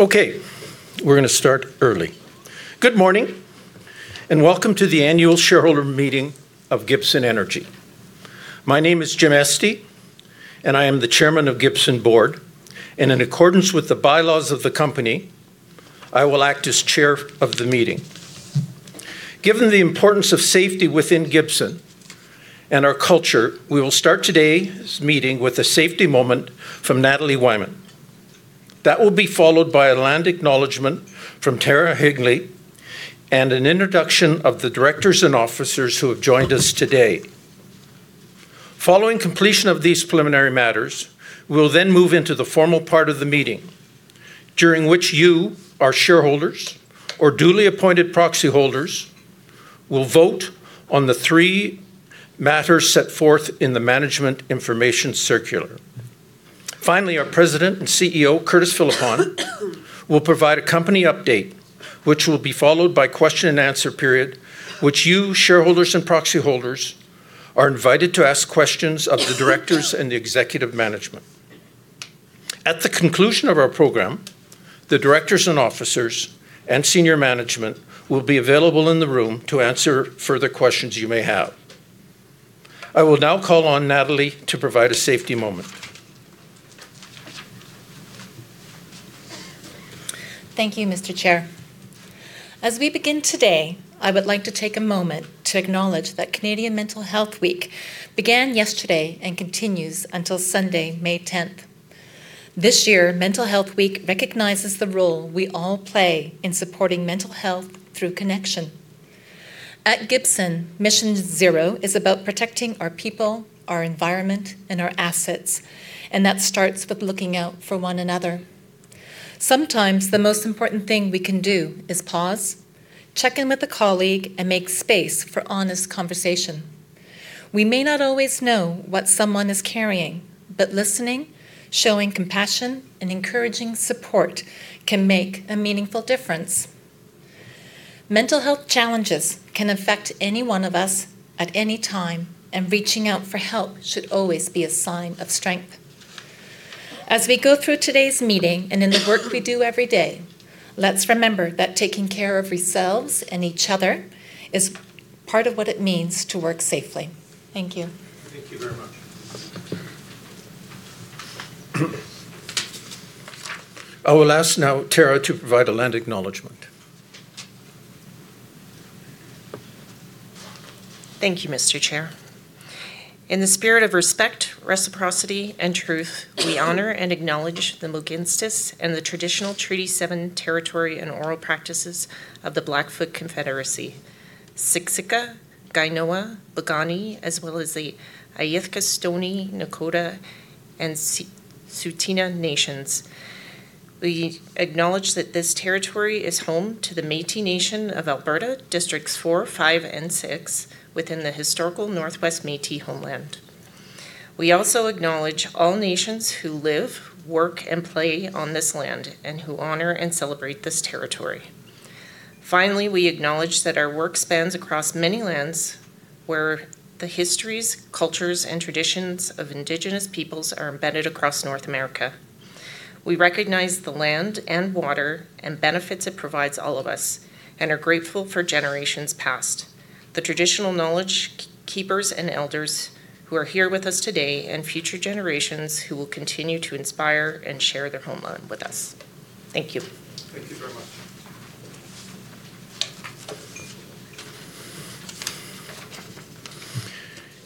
Okay, we're going to start early. Good morning, welcome to the annual shareholder meeting of Gibson Energy. My name is James Estey, and I am the Chairman of Gibson Board. In accordance with the bylaws of the company, I will act as Chair of the meeting. Given the importance of safety within Gibson and our culture, we will start today's meeting with a safety moment from Nathalie Wyman. That will be followed by a land acknowledgement from [Tera Higley], and an introduction of the directors and officers who have joined us today. Following completion of these preliminary matters, we will then move into the formal part of the meeting, during which you, our shareholders or duly appointed proxyholders, will vote on the three matters set forth in the management information circular. Our President and CEO, Curtis Philippon, will provide a company update, which will be followed by question-and-answer period, which you, shareholders and proxyholders, are invited to ask questions of the directors and the executive management. At the conclusion of our program, the directors and officers and senior management will be available in the room to answer further questions you may have. I will now call on Nathalie to provide a safety moment. Thank you, Mr. Chair. As we begin today, I would like to take a moment to acknowledge that Canadian Mental Health Week began yesterday and continues until Sunday, May 10th. This year, Mental Health Week recognizes the role we all play in supporting mental health through connection. At Gibson, Mission Zero is about protecting our people, our environment, and our assets, and that starts with looking out for one another. Sometimes the most important thing we can do is pause, check in with a colleague, and make space for honest conversation. We may not always know what someone is carrying, but listening, showing compassion, and encouraging support can make a meaningful difference. Mental health challenges can affect any one of us at any time, and reaching out for help should always be a sign of strength. As we go through today's meeting and in the work we do every day, let's remember that taking care of ourselves and each other is part of what it means to work safely. Thank you. I will ask now Tera to provide a land acknowledgement. Thank you, Mr. Chair. In the spirit of respect, reciprocity, and truth, we honor and acknowledge the Mohkinstsis and the traditional Treaty 7 territory and oral practices of the Blackfoot Confederacy, Siksika, Kainai, Piikani, as well as the Îethka Stoney Nakoda and Tsuut'ina Nation. We acknowledge that this territory is home to the Métis Nation of Alberta Districts four, five, and six within the historical Northwest Métis homeland. We also acknowledge all nations who live, work, and play on this land and who honor and celebrate this territory. Finally, we acknowledge that our work spans across many lands where the histories, cultures, and traditions of Indigenous peoples are embedded across North America. We recognize the land and water and benefits it provides all of us and are grateful for generations past, the traditional Knowledge Keepers and Elders who are here with us today, and future generations who will continue to inspire and share their homeland with us. Thank you.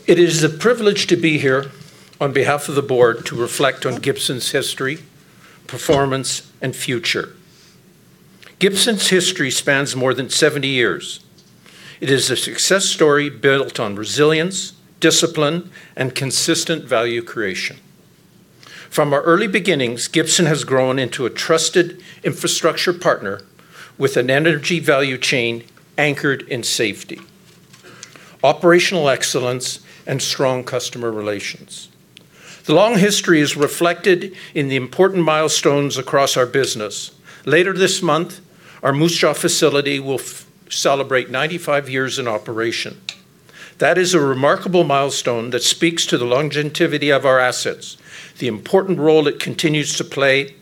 It is a privilege to be here on behalf of the board to reflect on Gibson's history, performance, and future. Gibson's history spans more than 70 years. It is a success story built on resilience, discipline, and consistent value creation. From our early beginnings, Gibson has grown into a trusted infrastructure partner with an energy value chain anchored in safety, operational excellence, and strong customer relations. The long history is reflected in the important milestones across our business. Later this month, our Moose Jaw facility will celebrate 95 years in operation. That is a remarkable milestone that speaks to the longevity of our assets, the important role it continues to play,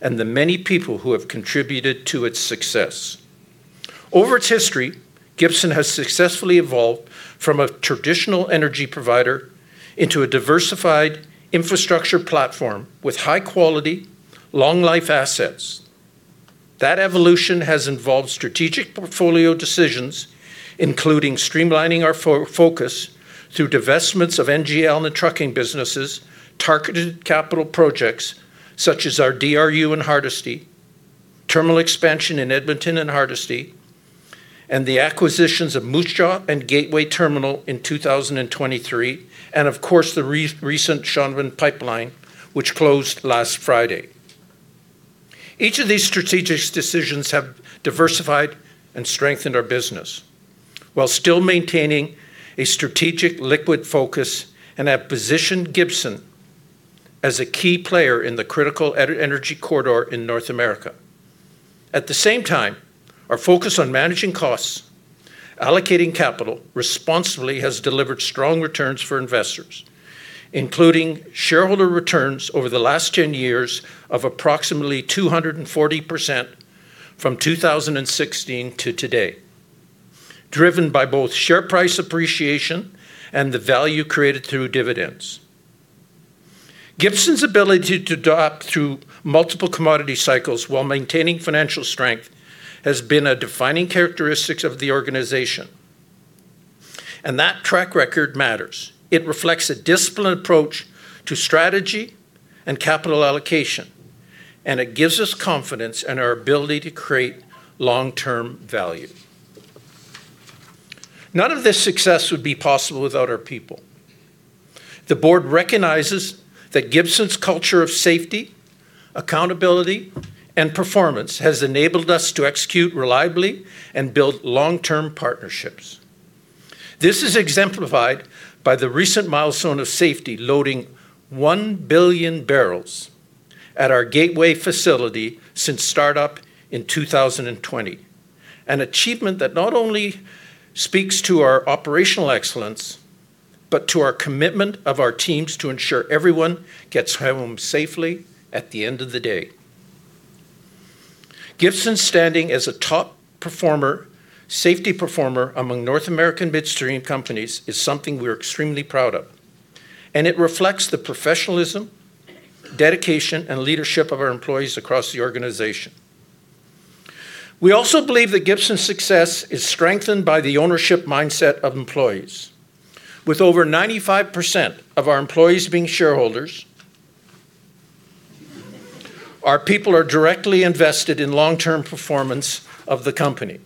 and the many people who have contributed to its success. Over its history, Gibson has successfully evolved from a traditional energy provider into a diversified infrastructure platform with high-quality, long-life assets. That evolution has involved strategic portfolio decisions, including streamlining our focus through divestments of NGL and the trucking businesses, targeted capital projects such as our DRU in Hardisty, terminal expansion in Edmonton and Hardisty, and the acquisitions of Moose Jaw and Gateway Terminal in 2023 and, of course, the recent Chauvin Pipeline, which closed last Friday. Each of these strategic decisions have diversified and strengthened our business while still maintaining a strategic liquid focus and have positioned Gibson as a key player in the critical energy corridor in North America. At the same time, our focus on managing costs, allocating capital responsibly has delivered strong returns for investors, including shareholder returns over the last 10 years of approximately 240% from 2016 to today, driven by both share price appreciation and the value created through dividends. Gibson's ability to adapt through multiple commodity cycles while maintaining financial strength has been a defining characteristic of the organization, and that track record matters. It reflects a disciplined approach to strategy and capital allocation, and it gives us confidence in our ability to create long-term value. None of this success would be possible without our people. The board recognizes that Gibson's culture of safety, accountability, and performance has enabled us to execute reliably and build long-term partnerships. This is exemplified by the recent milestone of safety, loading 1 billion barrels at our Gateway facility since startup in 2020. An achievement that not only speaks to our operational excellence, but to our commitment of our teams to ensure everyone gets home safely at the end of the day. Gibson's standing as a top performer, safety performer among North American midstream companies is something we're extremely proud of, and it reflects the professionalism, dedication, and leadership of our employees across the organization. We also believe that Gibson's success is strengthened by the ownership mindset of employees. With over 95% of our employees being shareholders, our people are directly invested in long-term performance of the company.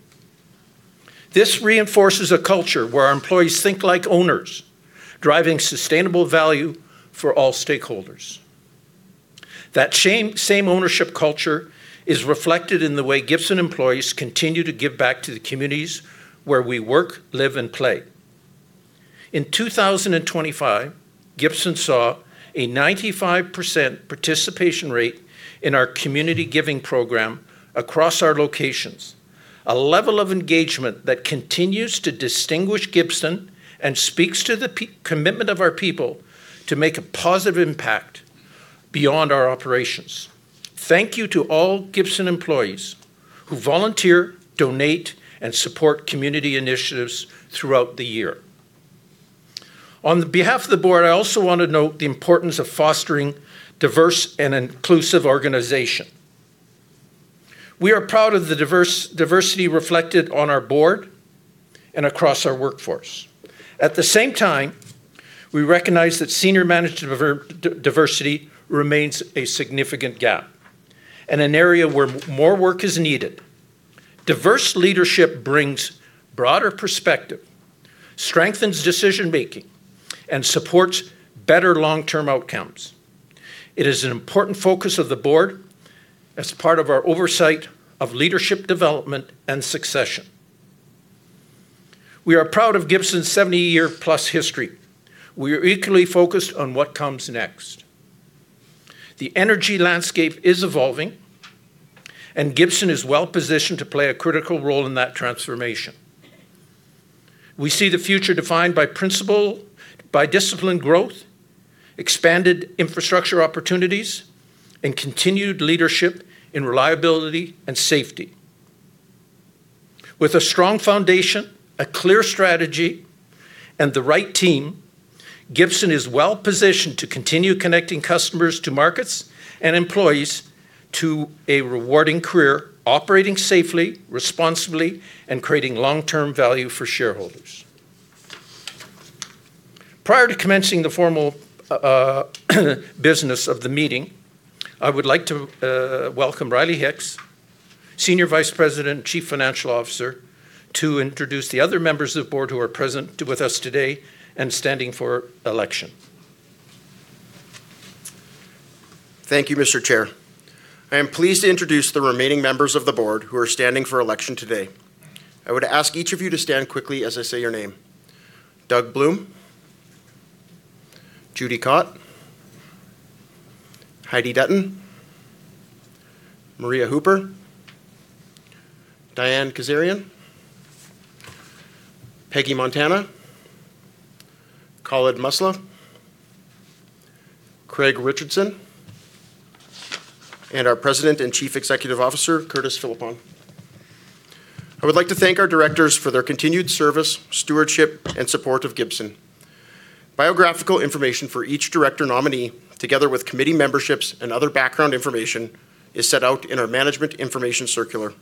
This reinforces a culture where our employees think like owners, driving sustainable value for all stakeholders. That same ownership culture is reflected in the way Gibson employees continue to give back to the communities where we work, live, and play. In 2025, Gibson saw a 95% participation rate in our community giving program across our locations, a level of engagement that continues to distinguish Gibson and speaks to the commitment of our people to make a positive impact beyond our operations. Thank you to all Gibson employees who volunteer, donate, and support community initiatives throughout the year. On the behalf of the board, I also want to note the importance of fostering diverse and inclusive organization. We are proud of the diversity reflected on our board and across our workforce. At the same time, we recognize that senior management diversity remains a significant gap and an area where more work is needed. Diverse leadership brings broader perspective, strengthens decision-making, and supports better long-term outcomes. It is an important focus of the board as part of our oversight of leadership development and succession. We are proud of Gibson's 70-year-plus history. We are equally focused on what comes next. The energy landscape is evolving. Gibson is well-positioned to play a critical role in that transformation. We see the future defined by principle, by disciplined growth, expanded infrastructure opportunities, and continued leadership in reliability and safety. With a strong foundation, a clear strategy, and the right team, Gibson is well-positioned to continue connecting customers to markets and employees to a rewarding career, operating safely, responsibly, and creating long-term value for shareholders. Prior to commencing the formal business of the meeting, I would like to welcome Riley Hicks, Senior Vice President, Chief Financial Officer, to introduce the other members of the board who are present with us today and standing for election. Thank you, Mr. Chair. I am pleased to introduce the remaining Members of the Board who are standing for election today. I would ask each of you to stand quickly as I say your name. Doug Bloom, Judy Cotte, Heidi Dutton, Maria Hooper, Diane Kazarian, Peggy Montana, Khalid Muslih, Craig Richardson, and our President and Chief Executive Officer, Curtis Philippon. I would like to thank our directors for their continued service, stewardship, and support of Gibson. Biographical information for each director nominee, together with committee memberships and other background information, is set out in our management information circular.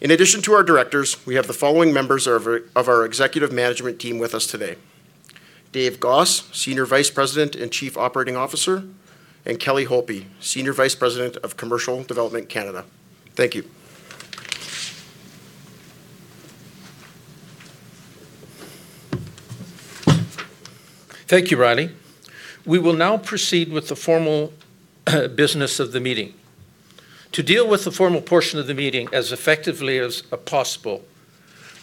In addition to our directors, we have the following members of our executive management team with us today. Dave Gosse, Senior Vice President and Chief Operating Officer, and Kelly Holtby, Senior Vice President of Commercial Development Canada. Thank you. Thank you, Riley. We will now proceed with the formal business of the meeting. To deal with the formal portion of the meeting as effectively as possible,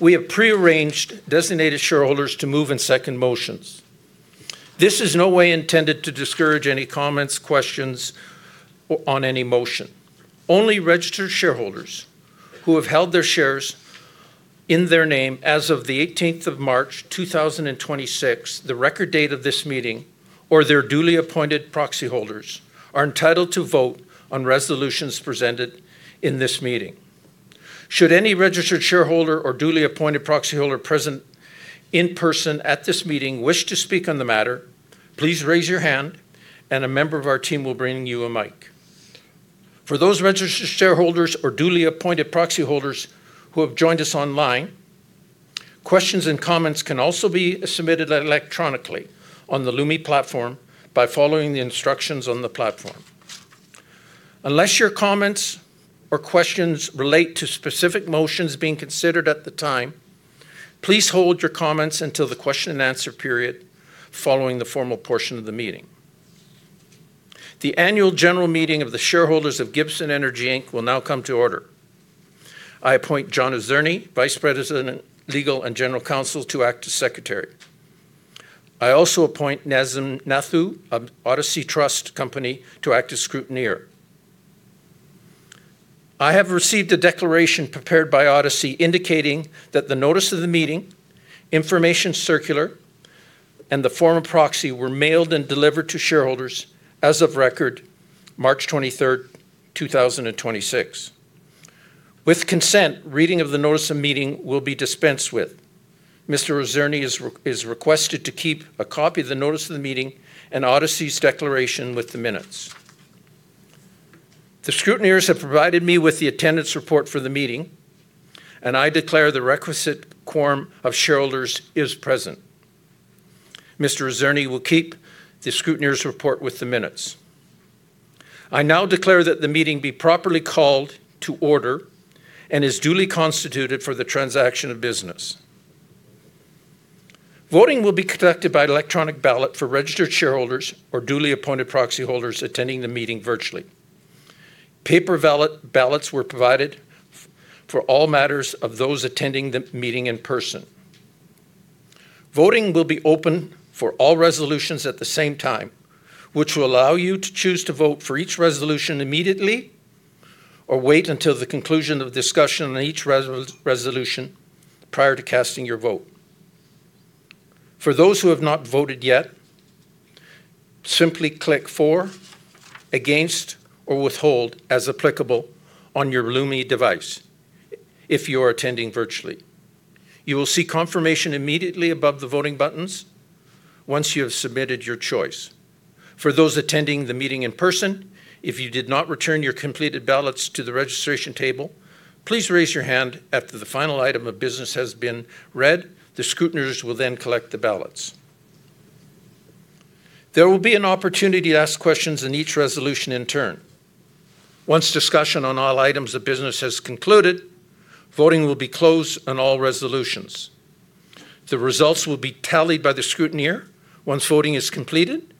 we have pre-arranged designated shareholders to move and second motions. This is no way intended to discourage any comments, questions on any motion. Only registered shareholders who have held their shares in their name as of the 18th of March, 2026, the record date of this meeting, or their duly appointed proxyholders, are entitled to vote on resolutions presented in this meeting. Should any registered shareholder or duly appointed proxyholder present in person at this meeting wish to speak on the matter, please raise your hand and a member of our team will bring you a mic. For those registered shareholders or duly appointed proxyholders who have joined us online, questions and comments can also be submitted electronically on the Lumi platform by following the instructions on the platform. Unless your comments or questions relate to specific motions being considered at the time, please hold your comments until the question-and-answer period following the formal portion of the meeting. The annual general meeting of the shareholders of Gibson Energy Inc. will now come to order. I appoint Jon Ozirny, Vice President, Legal and General Counsel, to act as Secretary. I also appoint Nazim Nathoo of Odyssey Trust Company to act as Scrutineer. I have received a declaration prepared by Odyssey indicating that the notice of the meeting, information circular, and the form of proxy were mailed and delivered to shareholders as of record March 23rd, 2026. With consent, reading of the notice of meeting will be dispensed with. Mr. Ozirny is requested to keep a copy of the notice of the meeting and Odyssey's declaration with the minutes. The scrutineers have provided me with the attendance report for the meeting, and I declare the requisite quorum of shareholders is present. Mr. Ozirny will keep the scrutineer's report with the minutes. I now declare that the meeting be properly called to order and is duly constituted for the transaction of business. Voting will be conducted by electronic ballot for registered shareholders or duly appointed proxyholders attending the meeting virtually. Paper ballots were provided for all matters of those attending the meeting in person. Voting will be open for all resolutions at the same time, which will allow you to choose to vote for each resolution immediately or wait until the conclusion of discussion on each resolution prior to casting your vote. For those who have not voted yet, simply click for, against, or withhold as applicable on your Lumi device if you are attending virtually. You will see confirmation immediately above the voting buttons once you have submitted your choice. For those attending the meeting in person, if you did not return your completed ballots to the registration table, please raise your hand after the final item of business has been read. The scrutineers will then collect the ballots. There will be an opportunity to ask questions on each resolution in turn. Once discussion on all items of business has concluded, voting will be closed on all resolutions. The results will be tallied by the scrutineer once voting is completed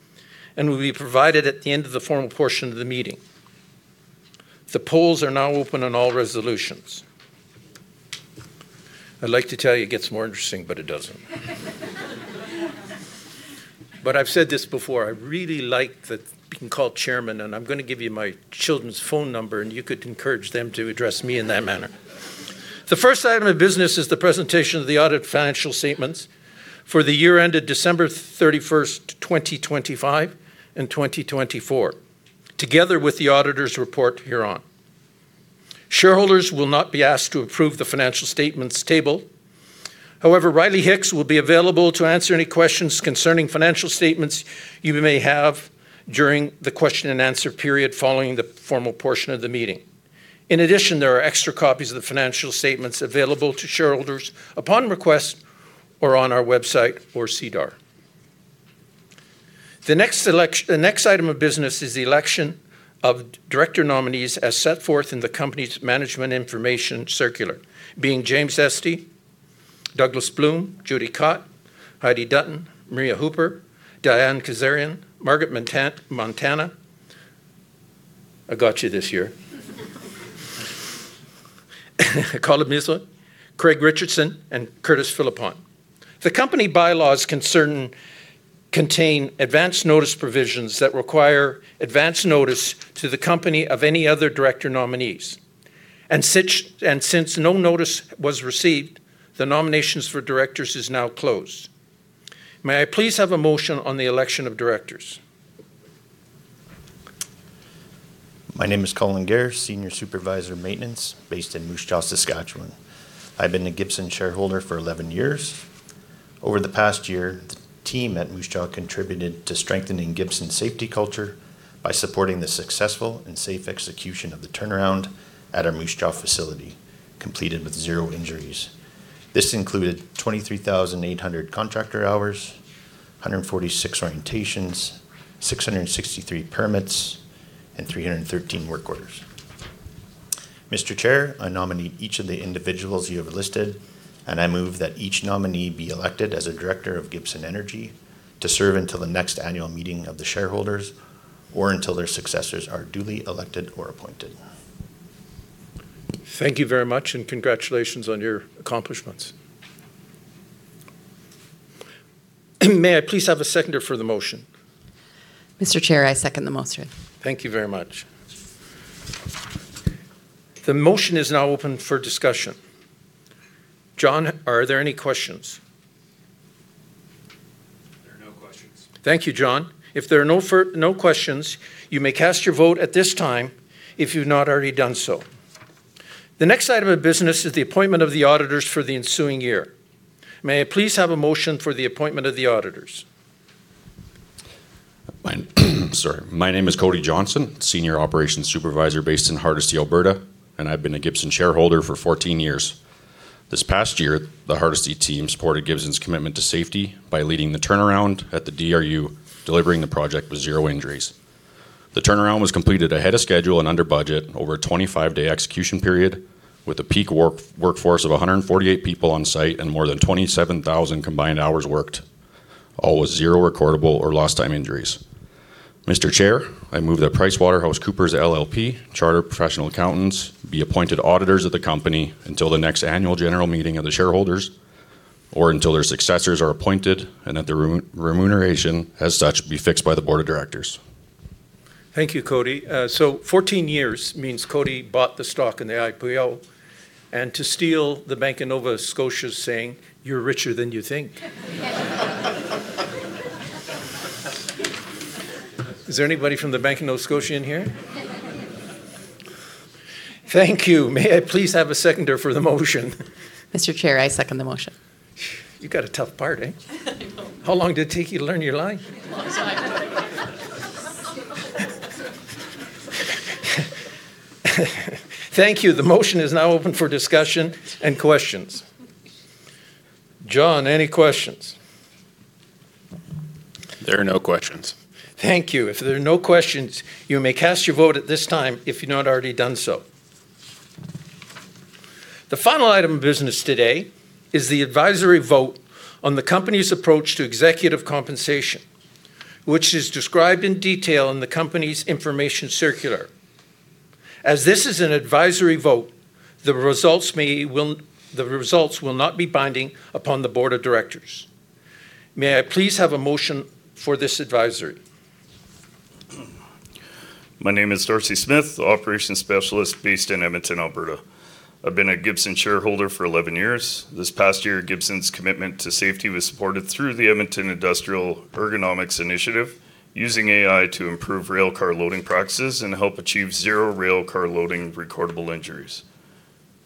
and will be provided at the end of the formal portion of the meeting. The polls are now open on all resolutions. I'd like to tell you it gets more interesting, it doesn't. I've said this before, I really like that being called Chairman, and I'm gonna give you my children's phone number, and you could encourage them to address me in that manner. The first item of business is the presentation of the audited financial statements for the year ended December 31st, 2025 and 2024, together with the auditor's report herein. Shareholders will not be asked to approve the financial statements table. However, Riley Hicks will be available to answer any questions concerning financial statements you may have during the question-and-answer period following the formal portion of the meeting. In addition, there are extra copies of the financial statements available to shareholders upon request or on our website or SEDAR+. The next item of business is the election of director nominees as set forth in the company's management information circular, being James Estey, Douglas Bloom, Judy Cotte, Heidi Dutton, Maria Hooper, Diane Kazarian, Margaret Montana. I got you this year. Khalid Muslih, Craig Richardson, and Curtis Philippon. The company bylaws contain advance notice provisions that require advance notice to the company of any other director nominees. Since no notice was received, the nominations for directors is now closed. May I please have a motion on the election of directors? My name is Colin Gehr, Senior Supervisor, Maintenance, based in Moose Jaw, Saskatchewan. I've been a Gibson shareholder for 11 years. Over the past year, the team at Moose Jaw contributed to strengthening Gibson's safety culture by supporting the successful and safe execution of the turnaround at our Moose Jaw facility, completed with zero injuries. This included 23,800 contractor hours, 146 orientations, 663 permits, and 313 work orders. Mr. Chair, I nominate each of the individuals you have listed, and I move that each nominee be elected as a Director of Gibson Energy to serve until the next annual meeting of the shareholders or until their successors are duly elected or appointed. Thank you very much. Congratulations on your accomplishments. May I please have a seconder for the motion? Mr. Chair, I second the motion. Thank you very much. The motion is now open for discussion. Jon, are there any questions? There are no questions. Thank you, Jon. If there are no questions, you may cast your vote at this time if you've not already done so. The next item of business is the appointment of the auditors for the ensuing year. May I please have a motion for the appointment of the auditors? Sorry. My name is Cody Johnson, Senior Operations Supervisor based in Hardisty, Alberta, and I've been a Gibson shareholder for 14 years. This past year, the Hardisty team supported Gibson's commitment to safety by leading the turnaround at the DRU, delivering the project with zero injuries. The turnaround was completed ahead of schedule and under budget over a 25-day execution period with a peak workforce of 148 people on site and more than 27,000 combined hours worked, all with zero recordable or lost time injuries. Mr. Chair, I move that PricewaterhouseCoopers LLP chartered professional accountants be appointed auditors of the company until the next annual general meeting of the shareholders or until their successors are appointed and that their remuneration as such be fixed by the board of directors. Thank you, Cody. 14 years means Cody bought the stock in the IPO, and to steal the Bank of Nova Scotia's saying, "You're richer than you think." Is there anybody from the Bank of Nova Scotia in here? Thank you. May I please have a seconder for the motion? Mr. Chair, I second the motion. You got a tough part, eh? I know. How long did it take you to learn your line? A long time. Thank you. The motion is now open for discussion and questions. Jon, any questions? There are no questions. Thank you. If there are no questions, you may cast your vote at this time if you've not already done so. The final item of business today is the advisory vote on the company's approach to executive compensation, which is described in detail in the company's information circular. As this is an advisory vote, the results will not be binding upon the board of directors. May I please have a motion for this advisory? My name is Darcy Smith, operations specialist based in Edmonton, Alberta. I've been a Gibson shareholder for 11 years. This past year, Gibson's commitment to safety was supported through the Edmonton Industrial Ergonomics Initiative using AI to improve railcar loading practices and help achieve zero railcar loading recordable injuries.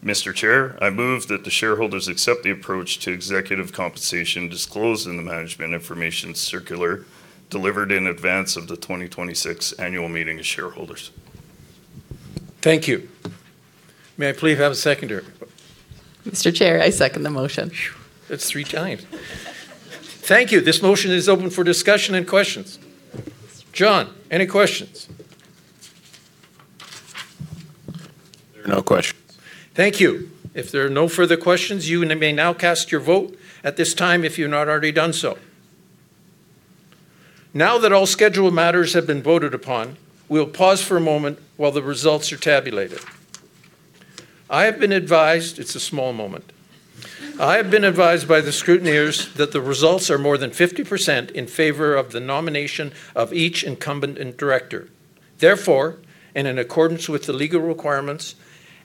Mr. Chair, I move that the shareholders accept the approach to executive compensation disclosed in the management information circular delivered in advance of the 2026 annual meeting of shareholders. Thank you. May I please have a seconder? Mr. Chair, I second the motion. Phew. That's three times. Thank you. This motion is open for discussion and questions. Jon, any questions? There are no questions. Thank you. If there are no further questions, you may now cast your vote at this time if you've not already done so. All scheduled matters have been voted upon, we'll pause for a moment while the results are tabulated. I have been advised by the scrutineers that the results are more than 50% in favor of the nomination of each incumbent and director. In accordance with the legal requirements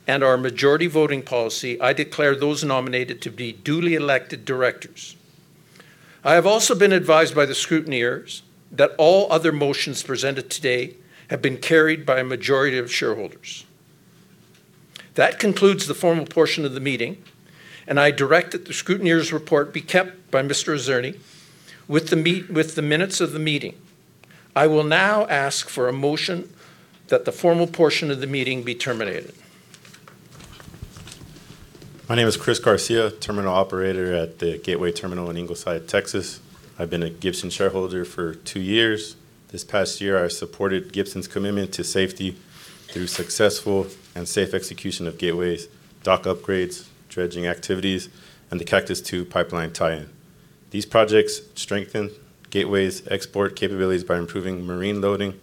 and our majority voting policy, I declare those nominated to be duly elected directors. I have also been advised by the scrutineers that all other motions presented today have been carried by a majority of shareholders. That concludes the formal portion of the meeting, and I direct that the scrutineers' report be kept by Mr. Ozirny with the minutes of the meeting. I will now ask for a motion that the formal portion of the meeting be terminated. My name is Chris Garcia, Terminal Operator at the Gateway Terminal in Ingleside, Texas. I've been a Gibson shareholder for two years. This past year, I supported Gibson's commitment to safety through successful and safe execution of Gateway's dock upgrades, dredging activities, and the Cactus II pipeline tie-in. These projects strengthen Gateway's export capabilities by improving marine loading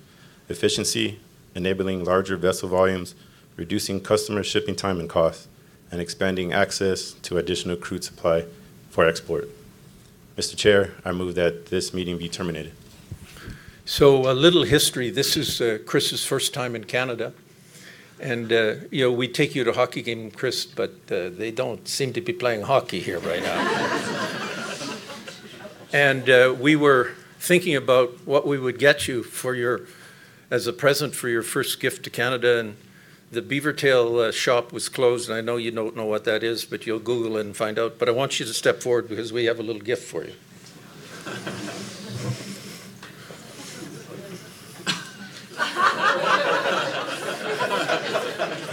efficiency, enabling larger vessel volumes, reducing customer shipping time and cost, and expanding access to additional crude supply for export. Mr. Chair, I move that this meeting be terminated. A little history. This is Chris' first time in Canada, you know, we'd take you to a hockey game, Chris, they don't seem to be playing hockey here right now. We were thinking about what we would get you as a present for your first gift to Canada, the Beavertail shop was closed, I know you don't know what that is, you'll Google it and find out. I want you to step forward because we have a little gift for you.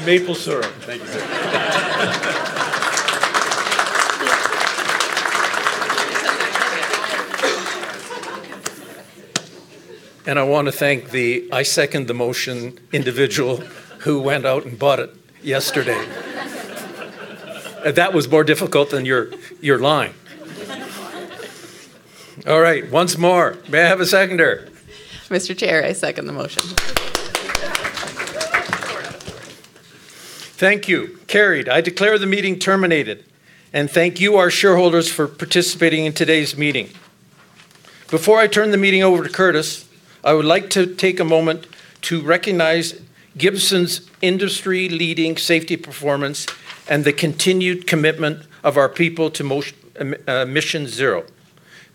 Maple syrup. Thank you. I want to thank the I second the motion individual who went out and bought it yesterday. That was more difficult than your line. All right, once more, may I have a seconder? Mr. Chair, I second the motion. Thank you. Carried. I declare the meeting terminated. Thank you, our shareholders, for participating in today's meeting. Before I turn the meeting over to Curtis, I would like to take a moment to recognize Gibson's industry-leading safety performance and the continued commitment of our people to Mission Zero.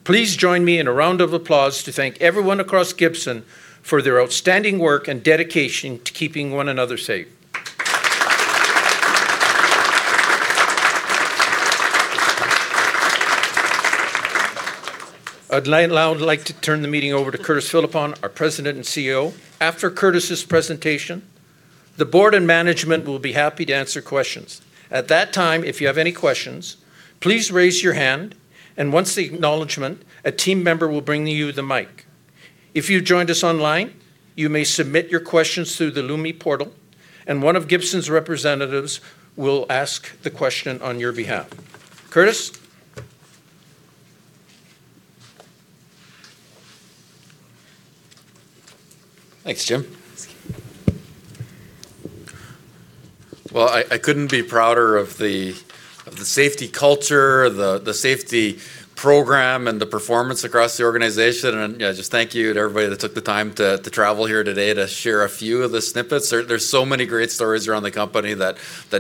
Please join me in a round of applause to thank everyone across Gibson for their outstanding work and dedication to keeping one another safe. I'd now like to turn the meeting over to Curtis Philippon, our President and CEO. After Curtis's presentation, the board and management will be happy to answer questions. At that time, if you have any questions, please raise your hand. Once the acknowledgement, a team member will bring you the mic. If you joined us online, you may submit your questions through the Lumi portal, and one of Gibson's representatives will ask the question on your behalf. Curtis? Thanks, Jim. Well, I couldn't be prouder of the safety culture, the safety program and the performance across the organization. You know, just thank you to everybody that took the time to travel here today to share a few of the snippets. There's so many great stories around the company that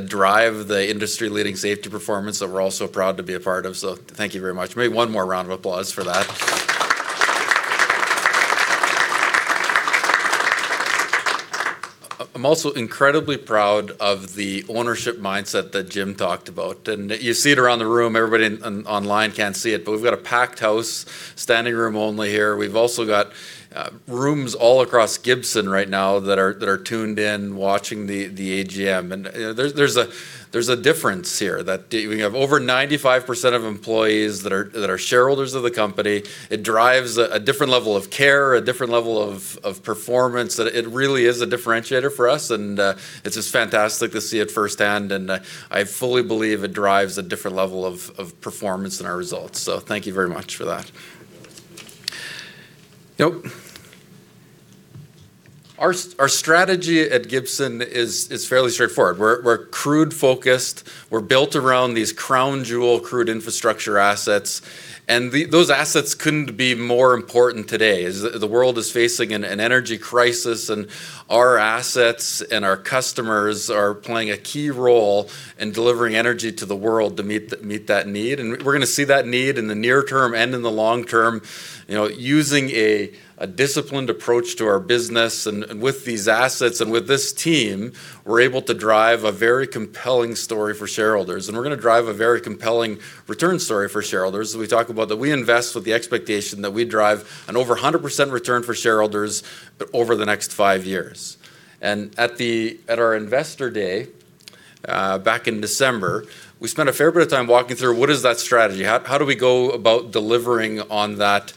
drive the industry-leading safety performance that we're all so proud to be a part of. Thank you very much. Maybe one more round of applause for that. I'm also incredibly proud of the ownership mindset that Jim talked about. You see it around the room, everybody online can't see it, but we've got a packed house, standing room only here. We've also got rooms all across Gibson right now that are tuned in, watching the AGM. You know, there's a difference here that we have over 95% of employees that are shareholders of the company. It drives a different level of care, a different level of performance, that it really is a differentiator for us. It's just fantastic to see it firsthand, I fully believe it drives a different level of performance in our results. Thank you very much for that. Now, our strategy at Gibson Energy is fairly straightforward. We're crude-focused. We're built around these crown jewel crude infrastructure assets, and those assets couldn't be more important today as the world is facing an energy crisis, and our assets and our customers are playing a key role in delivering energy to the world to meet that need. We're gonna see that need in the near term and in the long term. You know, using a disciplined approach to our business and with these assets and with this team, we're able to drive a very compelling story for shareholders, and we're gonna drive a very compelling return story for shareholders as we talk about that we invest with the expectation that we drive an over 100% return for shareholders over the next five years. At our Investor Day, back in December, we spent a fair bit of time walking through what is that strategy, how do we go about delivering on that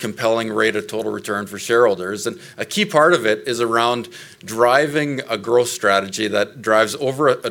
compelling rate of total return for shareholders. A key part of it is around driving a growth strategy that drives an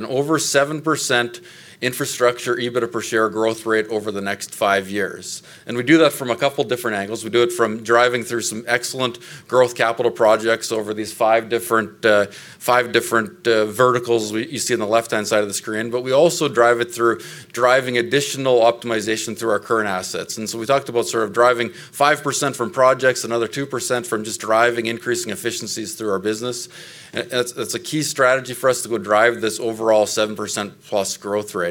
over 7% infrastructure EBITDA per share growth rate over the next five years. We do that from a couple different angles. We do it from driving through some excellent growth capital projects over these five different verticals you see on the left-hand side of the screen, but we also drive it through driving additional optimization through our current assets. We talked about sort of driving 5% from projects, another 2% from just driving increasing efficiencies through our business. That's a key strategy for us to go drive this overall 7%+ growth rate.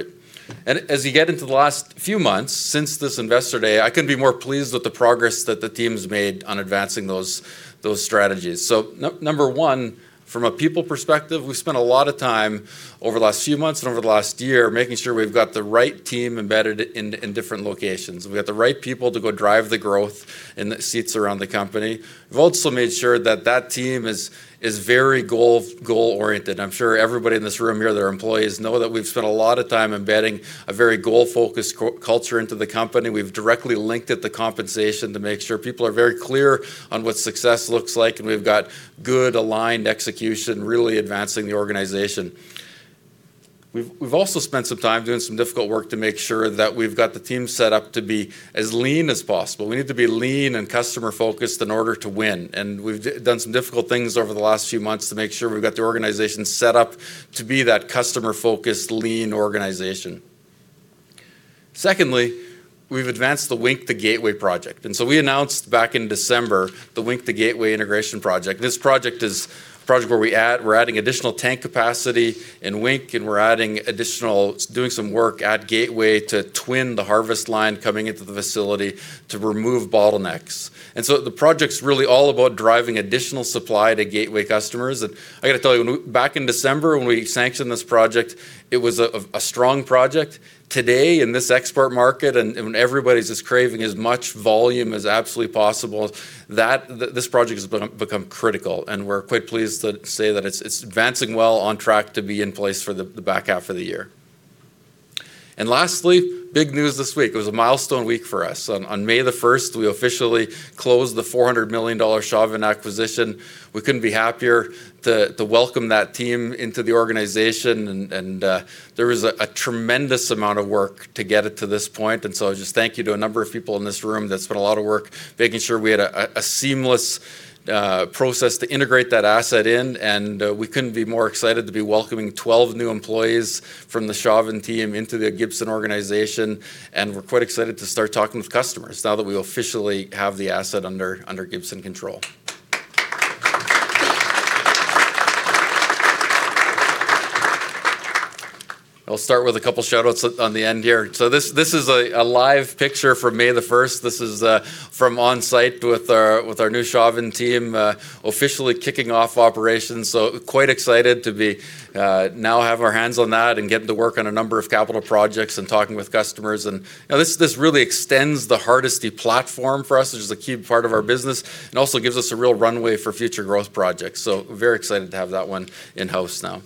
As you get into the last few months since this Investor Day, I couldn't be more pleased with the progress that the team's made on advancing those strategies. Number one, from a people perspective, we've spent a lot of time over the last few months and over the last year making sure we've got the right team embedded in different locations. We've got the right people to go drive the growth in the seats around the company. We've also made sure that team is very goal-oriented. I'm sure everybody in this room here that are employees know that we've spent a lot of time embedding a very goal-focused culture into the company. We've directly linked it to compensation to make sure people are very clear on what success looks like, and we've got good aligned execution really advancing the organization. We've also spent some time doing some difficult work to make sure that we've got the team set up to be as lean as possible. We need to be lean and customer-focused in order to win, and we've done some difficult things over the last few months to make sure we've got the organization set up to be that customer-focused, lean organization. Secondly, we've advanced the Wink to Gateway project. We announced back in December the Wink to Gateway integration project. This project is a project where we're adding additional tank capacity in Wink, and we're doing some work at Gateway to twin the harvest line coming into the facility to remove bottlenecks. The project's really all about driving additional supply to Gateway customers. I gotta tell you, when back in December when we sanctioned this project, it was a strong project. Today, in this export market and everybody's just craving as much volume as absolutely possible, this project has become critical, and we're quite pleased to say that it's advancing well on track to be in place for the back half of the year. Lastly, big news this week. It was a milestone week for us. On May 1st, we officially closed the 400 million dollar Chauvin acquisition. We couldn't be happier to welcome that team into the organization. There was a tremendous amount of work to get it to this point. Just thank you to a number of people in this room that's put a lot of work making sure we had a seamless process to integrate that asset in. We couldn't be more excited to be welcoming 12 new employees from the Chauvin team into the Gibson organization. We're quite excited to start talking with customers now that we officially have the asset under Gibson control. I'll start with a couple shout-outs on the end here. This is a live picture from May the 1st. This is from on-site with our new Chauvin team, officially kicking off operations, quite excited to be now have our hands on that and get to work on a number of capital projects and talking with customers. You know, this really extends the Hardisty platform for us, which is a key part of our business, and also gives us a real runway for future growth projects. Very excited to have that one in-house now.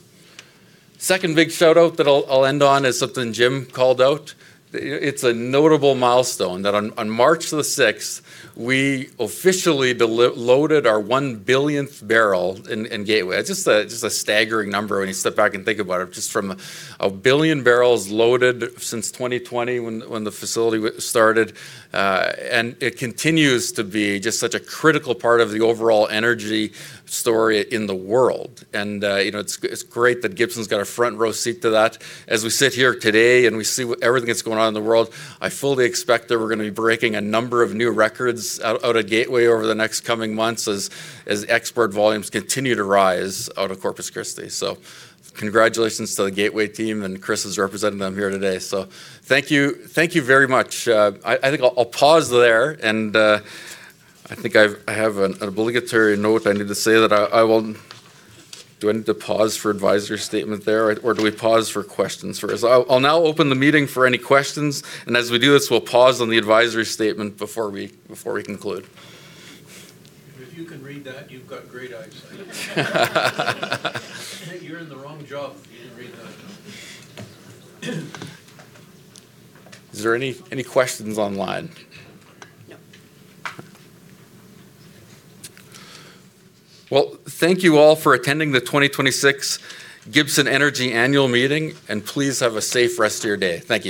Second big shout-out that I'll end on is something Jim called out. It's a notable milestone that on March the 6th, we officially loaded our 1-billionth barrel in Gateway. It's just a staggering number when you step back and think about it, just from 1 billion barrels loaded since 2020 when the facility started. It continues to be just such a critical part of the overall energy story in the world. You know, it's great that Gibson's got a front row seat to that. As we sit here today and we see what everything that's going on in the world, I fully expect that we're gonna be breaking a number of new records out of Gateway over the next coming months as export volumes continue to rise out of Corpus Christi. Congratulations to the Gateway team, and Chris is representing them here today. Thank you very much. I think I'll pause there. I think I have an obligatory note I need to say that I will need to pause for advisory statement there or do we pause for questions first? I'll now open the meeting for any questions. As we do this, we'll pause on the advisory statement before we conclude. If you can read that, you've got great eyesight. You're in the wrong job if you can read that. Is there any questions online? Well, thank you all for attending the 2026 Gibson Energy annual meeting, and please have a safe rest of your day. Thank you.